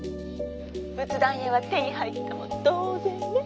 仏壇屋は手に入ったも同然ね。